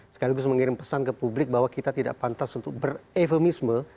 sekaligus mengirim pesan ke publik bahwa kita tidak pantas untuk berefemisme